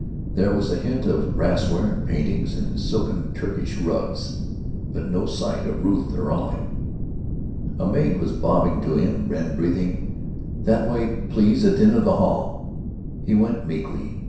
There was a hint of brassware and paintings and silken Turkish rugs. But no sight of Ruth or Olive. A maid was bobbing to him and breathing, "That way, please, at the end of the hall." He went meekly.